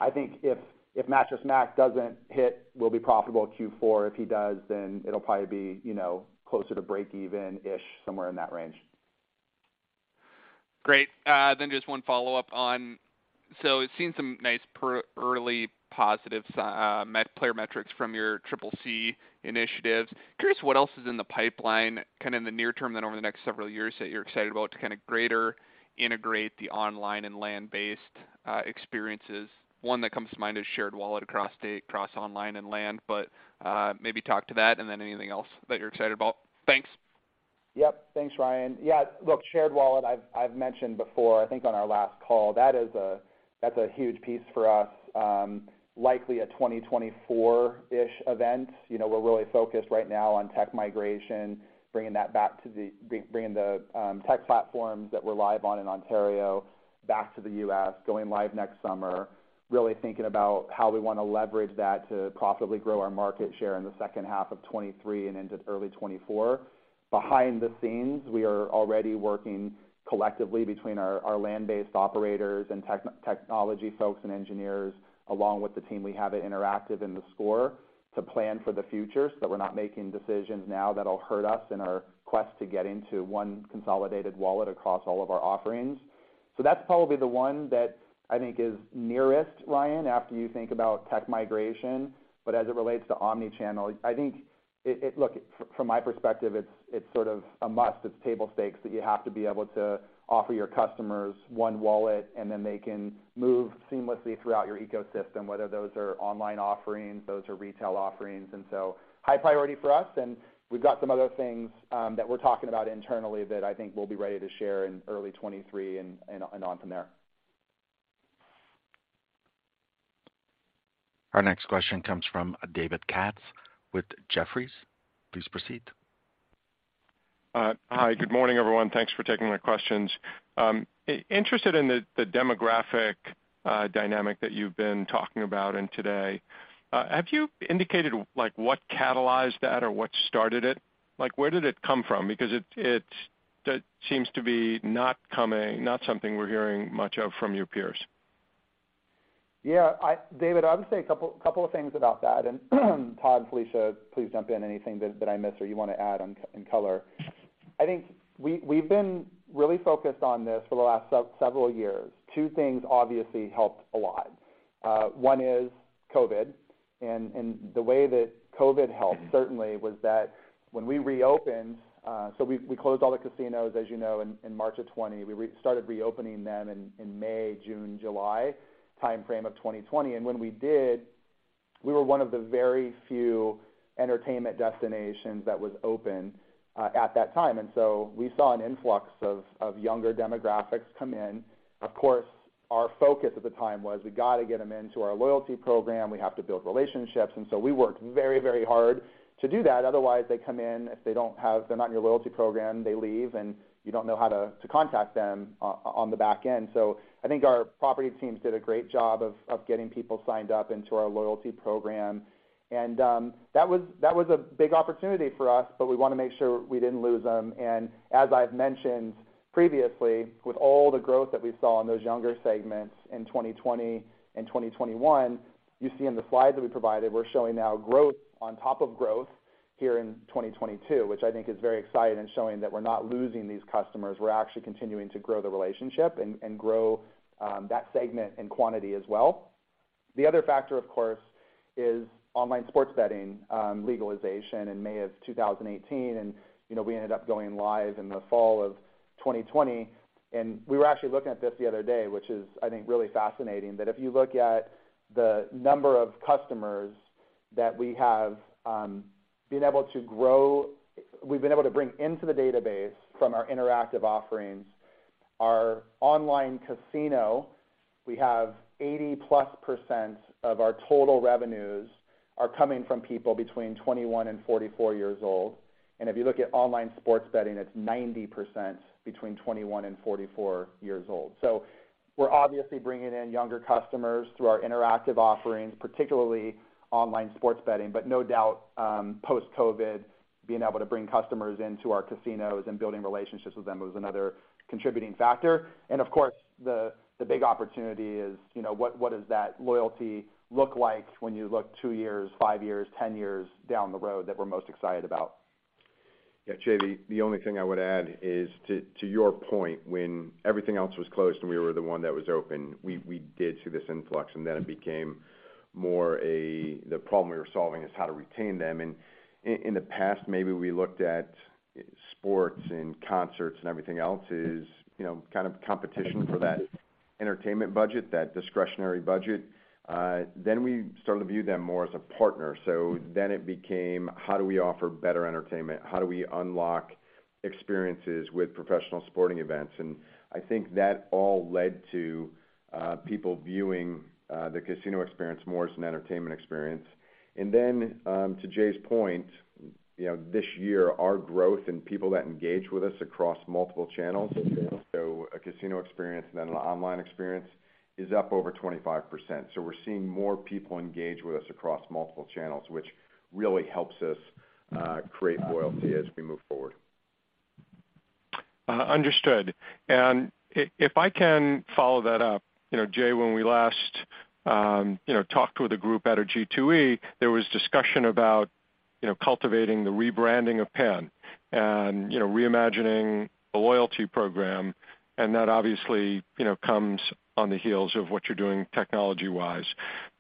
I think if Mattress Mack doesn't hit, we'll be profitable at Q4. If he does, then it'll probably be, you know, closer to breakeven-ish, somewhere in that range. Great. Just one follow-up. It seems some nice early positive player metrics from your Triple C initiatives. Curious what else is in the pipeline, kind of in the near term then over the next several years that you're excited about to kind of greater integrate the online and land-based experiences. One that comes to mind is shared wallet across state, across online and land, but maybe talk to that and then anything else that you're excited about. Thanks. Yep. Thanks, Ryan. Yeah, look, shared wallet, I've mentioned before, I think on our last call, that is a—that's a huge piece for us, likely a 2024-ish event. You know, we're really focused right now on tech migration, bringing that back to the—bringing the tech platforms that we're live on in Ontario back to the U.S., going live next summer, really thinking about how we wanna leverage that to profitably grow our market share in the second half of 2023 and into early 2024. Behind the scenes, we are already working collectively between our land-based operators and technology folks and engineers, along with the team we have at Interactive and theScore to plan for the future so that we're not making decisions now that'll hurt us in our quest to get into one consolidated wallet across all of our offerings. That's probably the one that I think is nearest, Ryan, after you think about tech migration. As it relates to omni-channel, I think it, look, from my perspective, it's sort of a must, it's table stakes that you have to be able to offer your customers one wallet, and then they can move seamlessly throughout your ecosystem, whether those are online offerings, those are retail offerings. High priority for us, and we've got some other things that we're talking about internally that I think we'll be ready to share in early 2023 and on from there. Our next question comes from David Katz with Jefferies. Please proceed. Hi. Good morning, everyone. Thanks for taking my questions. Interested in the demographic dynamic that you've been talking about today. Have you indicated, like, what catalyzed that or what started it? Like, where did it come from? Because that seems to be not something we're hearing much of from your peers. Yeah. David, I would say a couple of things about that. Todd, Felicia, please jump in anything that I miss or you wanna add on in color. I think we've been really focused on this for the last several years. Two things obviously helped a lot. One is COVID. The way that COVID helped certainly was that when we reopened, we closed all the casinos, as you know, in March of 2020. We started reopening them in May, June, July timeframe of 2020. When we did, we were one of the very few entertainment destinations that was open at that time. We saw an influx of younger demographics come in. Of course, our focus at the time was we gotta get them into our loyalty program. We have to build relationships. We worked very, very hard to do that. Otherwise, they come in, if they're not in your loyalty program, they leave, and you don't know how to contact them on the back end. I think our property teams did a great job of getting people signed up into our loyalty program. That was a big opportunity for us, but we wanna make sure we didn't lose them. As I've mentioned previously, with all the growth that we saw in those younger segments in 2020 and 2021, you see in the slides that we provided, we're showing now growth on top of growth here in 2022, which I think is very exciting and showing that we're not losing these customers. We're actually continuing to grow the relationship and grow that segment and quantity as well. The other factor, of course, is online sports betting legalization in May of 2018. You know, we ended up going live in the fall of 2020. We were actually looking at this the other day, which is I think really fascinating, that if you look at the number of customers that we have been able to grow. We've been able to bring into the database from our interactive offerings, our online casino, we have 80+% of our total revenues are coming from people between 21 and 44 years old. If you look at online sports betting, it's 90% between 21 and 44 years old. We're obviously bringing in younger customers through our interactive offerings, particularly online sports betting. No doubt, post-COVID, being able to bring customers into our casinos and building relationships with them was another contributing factor. Of course, the big opportunity is, you know, what does that loyalty look like when you look two years, five years, 10 years down the road that we're most excited about. Yeah. Jay, the only thing I would add is to your point, when everything else was closed and we were the one that was open, we did see this influx, and then it became more the problem we were solving is how to retain them. In the past, maybe we looked at sports and concerts and everything else as, you know, kind of competition for that entertainment budget, that discretionary budget. Then we started to view them more as a partner. It became, how do we offer better entertainment? How do we unlock experiences with professional sporting events? I think that all led to people viewing the casino experience more as an entertainment experience. To Jay's point, you know, this year, our growth and people that engage with us across multiple channels, so a casino experience and then an online experience, is up over 25%. We're seeing more people engage with us across multiple channels, which really helps us create loyalty as we move forward. Understood. If I can follow that up, you know, Jay, when we last talked with the group at a G2E, there was discussion about cultivating the rebranding of PENN and reimagining the loyalty program, and that obviously comes on the heels of what you're doing technology-wise.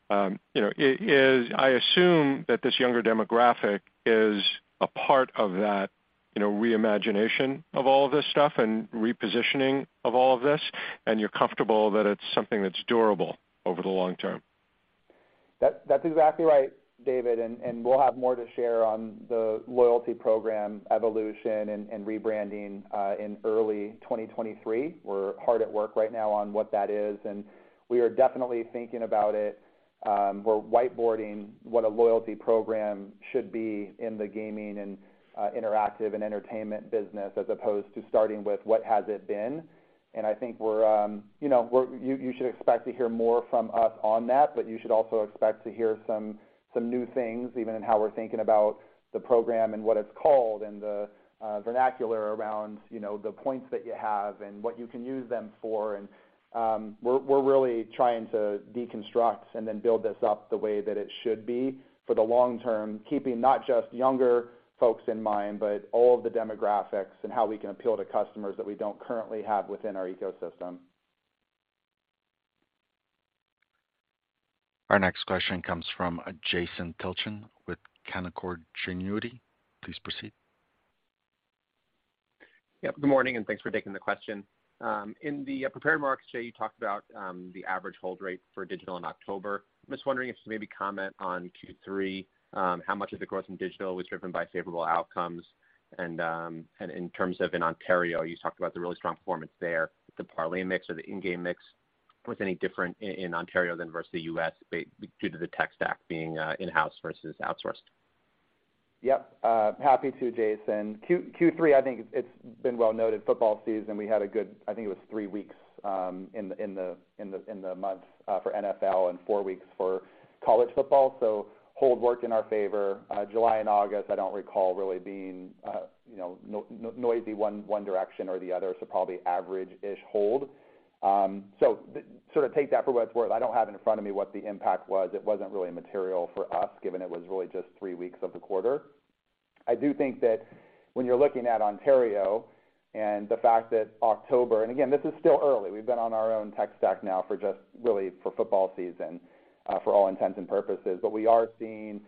You know, I assume that this younger demographic is a part of that reimagination of all of this stuff and repositioning of all of this, and you're comfortable that it's something that's durable over the long term. That's exactly right, David. We'll have more to share on the loyalty program evolution and rebranding in early 2023. We're hard at work right now on what that is, and we are definitely thinking about it. We're whiteboarding what a loyalty program should be in the gaming and interactive and entertainment business as opposed to starting with what it has been. I think we're, you know, you should expect to hear more from us on that, but you should also expect to hear some new things, even in how we're thinking about the program and what it's called and the vernacular around, you know, the points that you have and what you can use them for. We're really trying to deconstruct and then build this up the way that it should be for the long term, keeping not just younger folks in mind, but all of the demographics and how we can appeal to customers that we don't currently have within our ecosystem. Our next question comes from Jason Tilchen with Canaccord Genuity. Please proceed. Good morning, and thanks for taking the question. In the prepared remarks, Jay, you talked about the average hold rate for digital in October. I'm just wondering if you maybe comment on Q3, how much of the growth in digital was driven by favorable outcomes? In terms of in Ontario, you talked about the really strong performance there. The parlay mix or the in-game mix, was any different in Ontario than versus the U.S., due to the tech stack being in-house versus outsourced? Yep. Happy to, Jason. Q3, I think it's been well noted, football season, we had a good, I think it was three weeks in the months for NFL and four weeks for college football. Hold worked in our favor. July and August, I don't recall really being noisy one direction or the other, so probably average-ish hold. Sort of take that for what it's worth. I don't have in front of me what the impact was. It wasn't really material for us, given it was really just three weeks of the quarter. I do think that when you're looking at Ontario and the fact that October. Again, this is still early. We've been on our own tech stack now for just really for football season, for all intents and purposes. We are seeing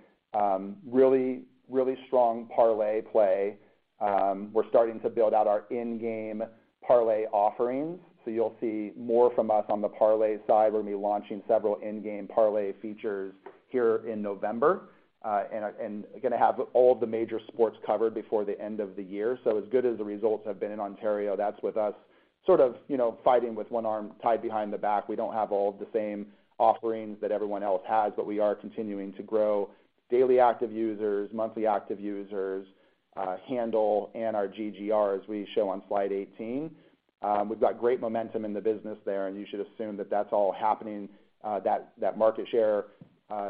really strong parlay play. We're starting to build out our in-game parlay offerings. You'll see more from us on the parlay side. We're gonna be launching several in-game parlay features here in November and gonna have all the major sports covered before the end of the year. As good as the results have been in Ontario, that's with us sort of, you know, fighting with one arm tied behind the back. We don't have all the same offerings that everyone else has, but we are continuing to grow daily active users, monthly active users, handle, and our GGR, as we show on slide 18. We've got great momentum in the business there, and you should assume that that's all happening, that market share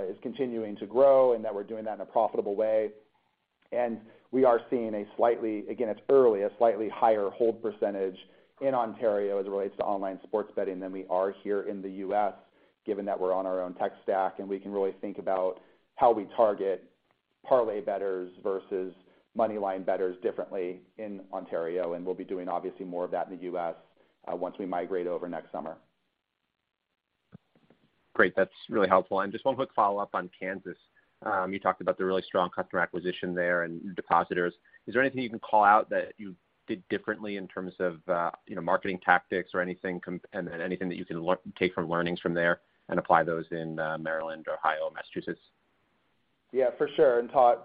is continuing to grow and that we're doing that in a profitable way. We are seeing a slightly, again, it's early, a slightly higher hold percentage in Ontario as it relates to online sports betting than we are here in the U.S., given that we're on our own tech stack, and we can really think about how we target parlay bettors versus money line bettors differently in Ontario. We'll be doing obviously more of that in the U.S., once we migrate over next summer. Great. That's really helpful. Just one quick follow-up on Kansas. You talked about the really strong customer acquisition there and depositors. Is there anything you can call out that you did differently in terms of, you know, marketing tactics or anything and anything that you can take from learnings from there and apply those in, Maryland or Ohio, Massachusetts? Yeah, for sure. Todd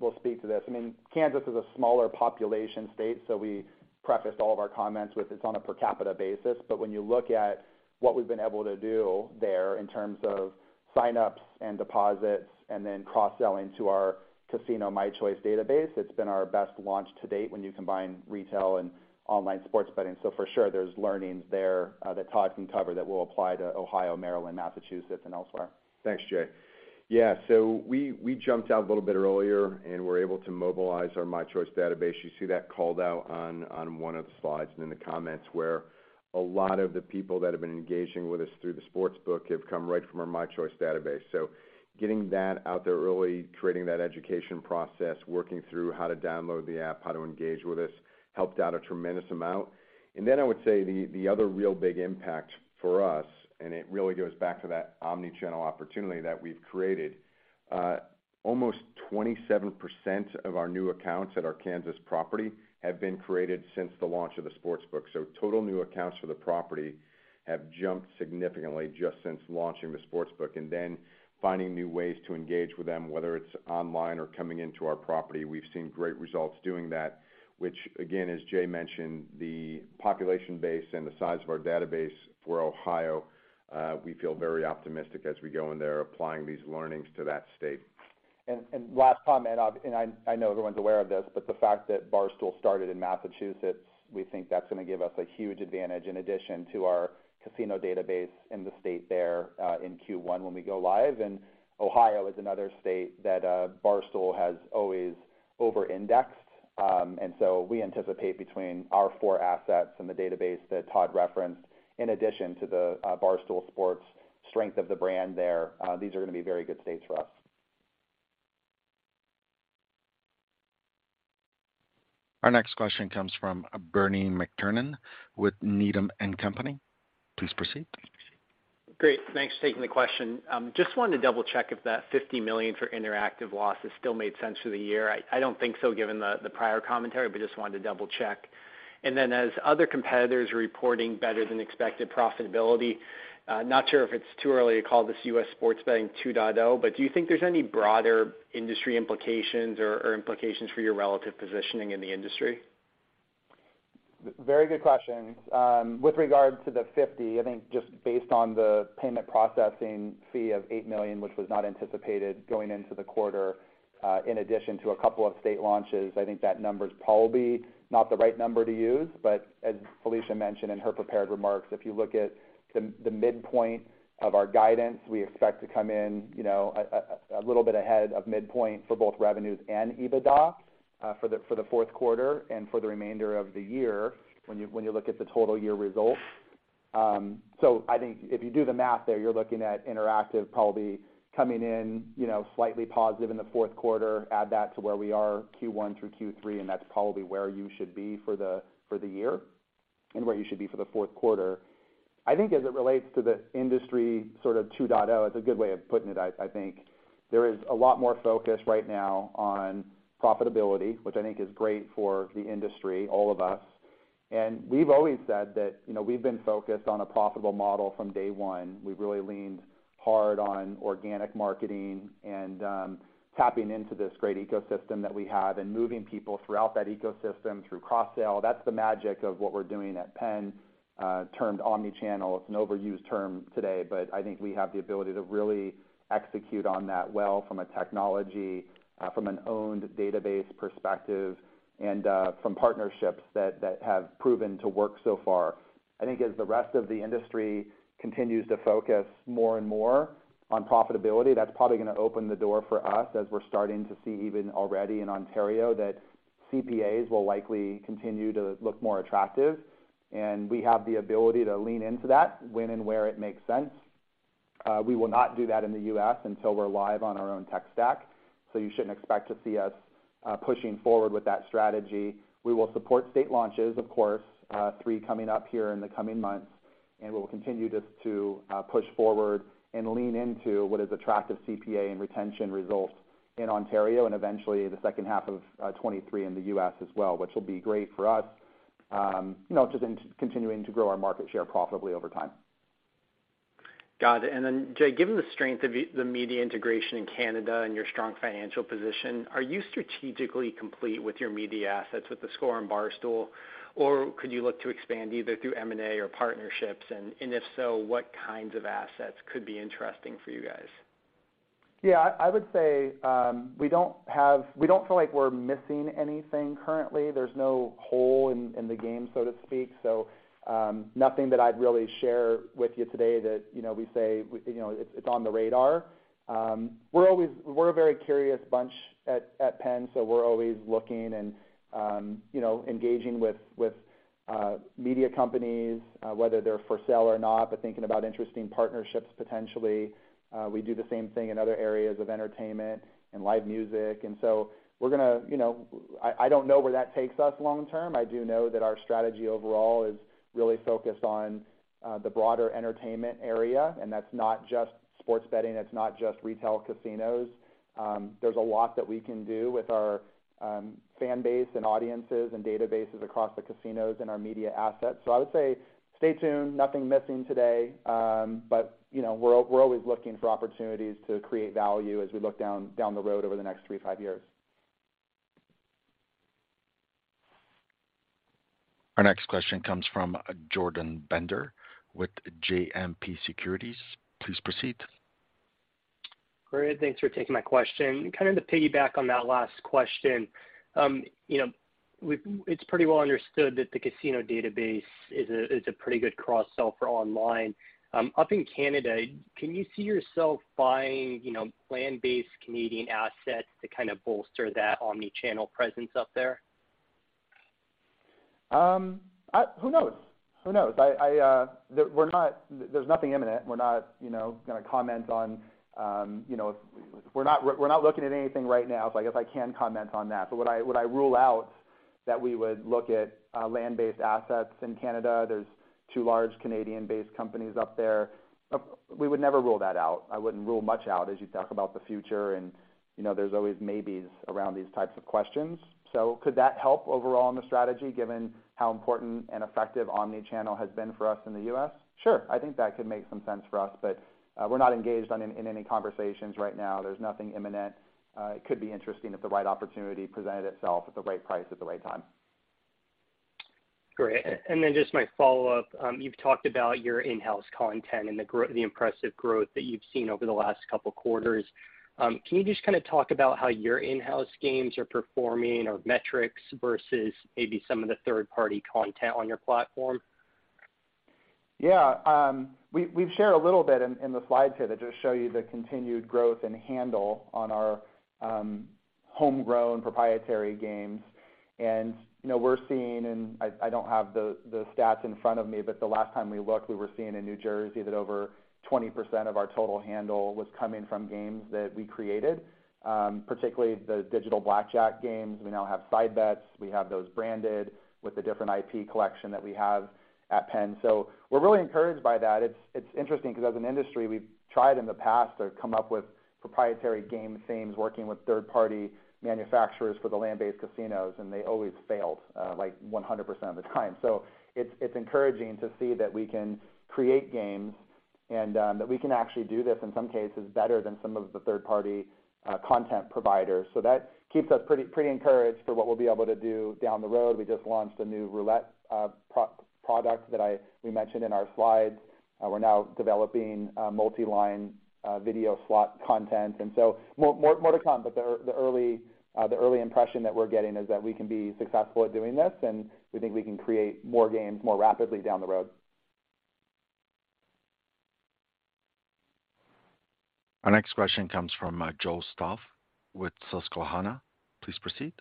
will speak to this. I mean, Kansas is a smaller population state, so we preface all of our comments with it's on a per capita basis. When you look at what we've been able to do there in terms of sign-ups and deposits and then cross-selling to our casino myChoice database, it's been our best launch to date when you combine retail and online sports betting. For sure, there's learnings there that Todd can cover that will apply to Ohio, Maryland, Massachusetts, and elsewhere. Thanks, Jay. Yeah, we jumped out a little bit earlier, and we're able to mobilize our myChoice database. You see that called out on one of the slides and in the comments where a lot of the people that have been engaging with us through the sports book have come right from our myChoice database. Getting that out there early, creating that education process, working through how to download the app, how to engage with us, helped out a tremendous amount. I would say the other real big impact for us, and it really goes back to that omni-channel opportunity that we've created, almost 27% of our new accounts at our Kansas property have been created since the launch of the sports book. Total new accounts for the property have jumped significantly just since launching the sports book. Finding new ways to engage with them, whether it's online or coming into our property, we've seen great results doing that, which again, as Jay mentioned, the population base and the size of our database for Ohio, we feel very optimistic as we go in there applying these learnings to that state. Last comment, I know everyone's aware of this, but the fact that Barstool started in Massachusetts, we think that's gonna give us a huge advantage in addition to our casino database in the state there, in Q1 when we go live. Ohio is another state that Barstool has always over-indexed. We anticipate between our four assets and the database that Todd referenced, in addition to Barstool Sports strength of the brand there, these are gonna be very good states for us. Our next question comes from Bernard McTernan with Needham & Company. Please proceed. Great. Thanks for taking the question. Just wanted to double-check if that $50 million for interactive loss still made sense for the year. I don't think so given the prior commentary, but just wanted to double-check. As other competitors are reporting better than expected profitability, not sure if it's too early to call this U.S. sports betting 2.0, but do you think there's any broader industry implications or implications for your relative positioning in the industry? Very good question. With regard to the 50, I think just based on the payment processing fee of $8 million, which was not anticipated going into the quarter, in addition to a couple of state launches, I think that number is probably not the right number to use. As Felicia mentioned in her prepared remarks, if you look at the midpoint of our guidance, we expect to come in a little bit ahead of midpoint for both revenues and EBITDA for the fourth quarter and for the remainder of the year when you look at the total year results. I think if you do the math there, you're looking at interactive probably coming in slightly positive in the fourth quarter. Add that to where we are Q1 through Q3, and that's probably where you should be for the year and where you should be for the fourth quarter. I think as it relates to the industry sort of 2.0, it's a good way of putting it, I think. There is a lot more focus right now on profitability, which I think is great for the industry, all of us. We've always said that, you know, we've been focused on a profitable model from day one. We've really leaned hard on organic marketing and tapping into this great ecosystem that we have and moving people throughout that ecosystem through cross-sale. That's the magic of what we're doing at PENN, termed omni-channel. It's an overused term today, but I think we have the ability to really execute on that well from a technology, from an owned database perspective and, from partnerships that have proven to work so far. I think as the rest of the industry continues to focus more and more on profitability, that's probably gonna open the door for us as we're starting to see even already in Ontario that CPAs will likely continue to look more attractive. We have the ability to lean into that when and where it makes sense. We will not do that in the U.S. until we're live on our own tech stack, so you shouldn't expect to see us, pushing forward with that strategy. We will support state launches, of course, three coming up here in the coming months, and we'll continue just to push forward and lean into what is attractive CPA and retention results in Ontario and eventually the second half of 2023 in the U.S. as well, which will be great for us, you know, just in continuing to grow our market share profitably over time. Got it. Jay, given the strength of the media integration in Canada and your strong financial position, are you strategically complete with your media assets with theScore and Barstool, or could you look to expand either through M&A or partnerships? If so, what kinds of assets could be interesting for you guys? Yeah. I would say we don't feel like we're missing anything currently. There's no hole in the game, so to speak. Nothing that I'd really share with you today that we say, you know, it's on the radar. We're a very curious bunch at PENN, so we're always looking and, you know, engaging with media companies, whether they're for sale or not, but thinking about interesting partnerships potentially. We do the same thing in other areas of entertainment and live music. We're gonna, you know. I don't know where that takes us long term. I do know that our strategy overall is really focused on the broader entertainment area, and that's not just sports betting, it's not just retail casinos. There's a lot that we can do with our fan base and audiences and databases across the casinos and our media assets. I would say stay tuned, nothing missing today. You know, we're always looking for opportunities to create value as we look down the road over the next 3-5 years. Our next question comes from Jordan Bender with JMP Securities. Please proceed. Great. Thanks for taking my question. Kind of to piggyback on that last question, you know, it's pretty well understood that the casino database is a pretty good cross-sell for online. Up in Canada, can you see yourself buying, you know, land-based Canadian assets to kind of bolster that omni-channel presence up there? Who knows? I, we're not. There's nothing imminent. We're not, you know, gonna comment on, you know. We're not looking at anything right now, so I guess I can comment on that. Would I rule out that we would look at land-based assets in Canada? There's two large Canadian-based companies up there. We would never rule that out. I wouldn't rule much out as you talk about the future and, you know, there's always maybes around these types of questions. Could that help overall in the strategy given how important and effective omni-channel has been for us in the U.S.? Sure. I think that could make some sense for us, but we're not engaged in any conversations right now. There's nothing imminent. It could be interesting if the right opportunity presented itself at the right price at the right time. Great. Just my follow-up. You've talked about your in-house content and the impressive growth that you've seen over the last couple quarters. Can you just kinda talk about how your in-house games are performing or metrics versus maybe some of the third-party content on your platform? Yeah. We've shared a little bit in the slides here that just show you the continued growth and handle on our homegrown proprietary games. You know, we're seeing, and I don't have the stats in front of me, but the last time we looked, we were seeing in New Jersey that over 20% of our total handle was coming from games that we created, particularly the digital blackjack games. We now have side bets. We have those branded with the different IP collection that we have at Penn. We're really encouraged by that. It's interesting 'cause as an industry, we've tried in the past to come up with proprietary game themes working with third-party manufacturers for the land-based casinos, and they always failed, like 100% of the time. It's encouraging to see that we can create games and that we can actually do this in some cases better than some of the third-party content providers. That keeps us pretty encouraged for what we'll be able to do down the road. We just launched a new roulette product that we mentioned in our slides. We're now developing multi-line video slot content and more to come. The early impression that we're getting is that we can be successful at doing this, and we think we can create more games more rapidly down the road. Our next question comes from Joe Stauff with Susquehanna. Please proceed.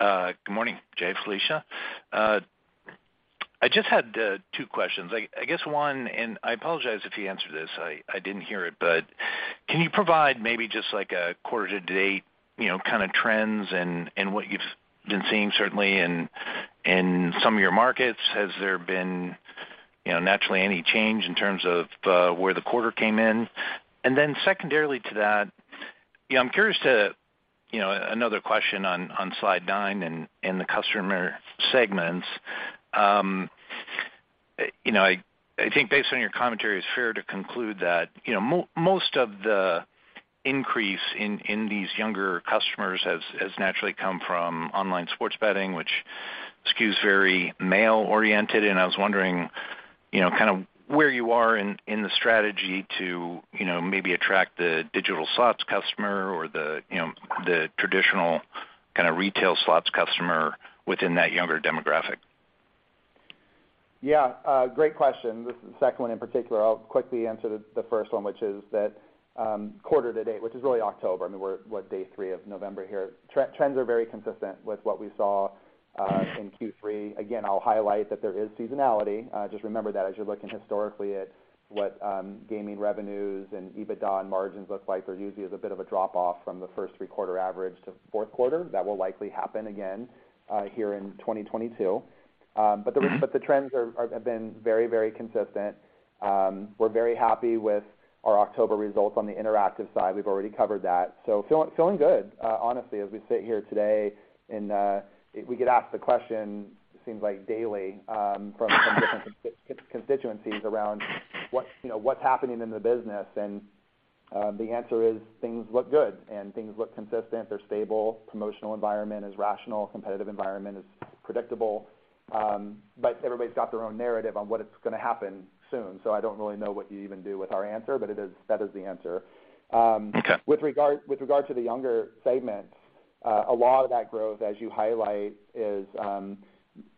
Good morning, Jay, Felicia. I just had two questions. I guess one, and I apologize if you answered this. I didn't hear it, but can you provide maybe just like a quarter to date, you know, kinda trends and what you've been seeing certainly in some of your markets? Has there been, you know, naturally any change in terms of where the quarter came in? And then secondarily to that, you know, I'm curious to another question on slide nine in the customer segments. You know, I think based on your commentary, it's fair to conclude that, you know, most of the increase in these younger customers has naturally come from online sports betting, which skews very male-oriented. I was wondering, you know, kind of where you are in the strategy to, you know, maybe attract the digital slots customer or the, you know, the traditional kinda retail slots customer within that younger demographic. Yeah, great question. The second one in particular. I'll quickly answer the first one, which is that quarter to date, which is really October. We are day 3 of November here. Trends are very consistent with what we saw in Q3. Again, I'll highlight that there is seasonality. Just remember that as you're looking historically at what gaming revenues and EBITDA and margins look like. There usually is a bit of a drop-off from the first three-quarter average to fourth quarter. That will likely happen again here in 2022. But the trends have been very consistent. We're very happy with our October results on the interactive side. We've already covered that. So feeling good, honestly, as we sit here today. We get asked the question, it seems like daily, from some different constituencies around what, you know, what's happening in the business. The answer is things look good and things look consistent. They're stable. Promotional environment is rational. Competitive environment is predictable. But everybody's got their own narrative on what is gonna happen soon. I don't really know what you even do with our answer, but it is, that is, the answer. Okay. With regard to the younger segment, a lot of that growth, as you highlight, is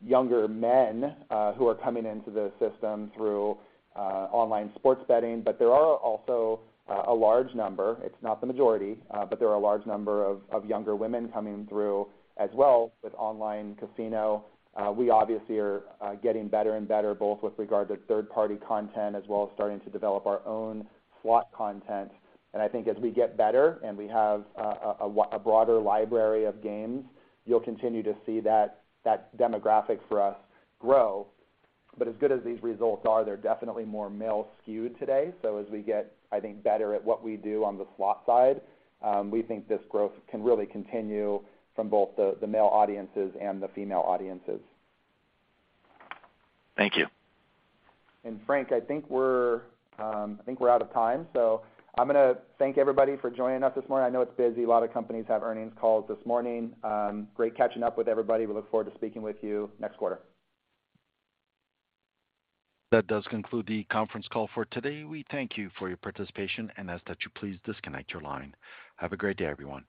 younger men who are coming into the system through online sports betting. But there are also a large number of younger women coming through as well with online casino. It's not the majority. We obviously are getting better and better both with regard to third-party content, as well as starting to develop our own slot content. I think as we get better and we have a broader library of games, you'll continue to see that demographic for us grow. But as good as these results are, they're definitely more male skewed today. As we get, I think, better at what we do on the slot side, we think this growth can really continue from both the male audiences and the female audiences. Thank you. Frank, I think we're out of time, so I'm gonna thank everybody for joining us this morning. I know it's busy. A lot of companies have earnings calls this morning. Great catching up with everybody. We look forward to speaking with you next quarter. That does conclude the conference call for today. We thank you for your participation and ask that you please disconnect your line. Have a great day, everyone.